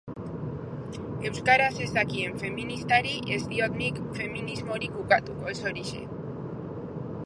Euskaraz ez dakien feministari ez diot nik feminismorik ukatuko, ez horixe.